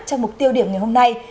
trong mục tiêu điểm ngày hôm nay